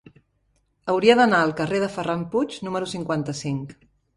Hauria d'anar al carrer de Ferran Puig número cinquanta-cinc.